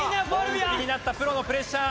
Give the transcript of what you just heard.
本気になったプロのプレッシャー。